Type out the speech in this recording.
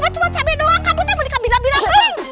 cuma cabai doang kamu tak boleh kabinat binat